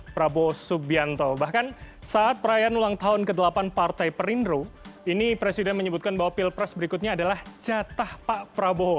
prabowo subianto bahkan saat perayaan ulang tahun ke delapan partai perindro ini presiden menyebutkan bahwa pilpres berikutnya adalah jatah pak prabowo